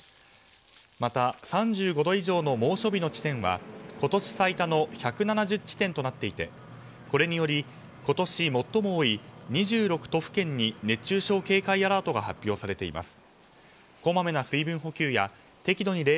また３５度以上の猛暑日の地点は今年最多の１７０地点となっていてこれにより、今年最も多い２６都府県に熱中症警戒アラートが発表されています。